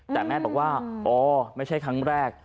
แต่แม่บอกว่าอ๋อไม่ใช่ครั้งแรก